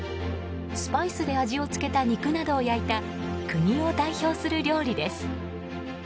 スパイスで味をつけた肉などを焼いた国を代表する料理です。